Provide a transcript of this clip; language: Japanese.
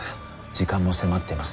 時間も迫っています